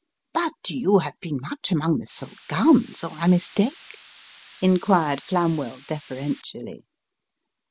" But you have been much among the silk gowns, or I mistake ?" inquired Flamwell, deferentially.